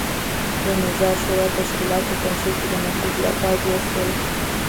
د نظار شورا تشکیلات په پنجشیر کې د مسعود لخوا جوړ شول.